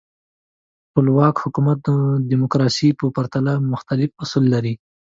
ټولواک حکومت د دموکراسۍ په پرتله مختلف اصول لري.